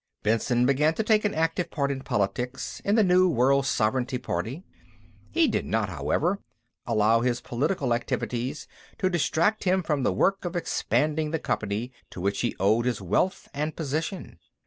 Benson began to take an active part in politics in the new World Sovereignty party. He did not, however, allow his political activities to distract him from the work of expanding the company to which he owed his wealth and position.